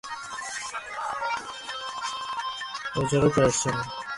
তিনি খেলোয়াড়দেরকে সফলতার কেন্দ্রবিন্দুতে পৌঁছানোর প্রয়াস চালান।